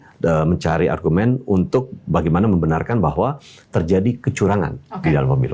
kita mencari argumen untuk bagaimana membenarkan bahwa terjadi kecurangan di dalam pemilu